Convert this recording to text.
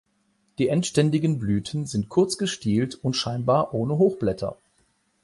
Die endständigen Blüten sind kurz gestielt und scheinbar ohne Hochblätter.